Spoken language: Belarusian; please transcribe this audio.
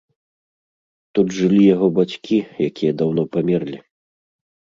Тут жылі яго бацькі, якія даўно памерлі.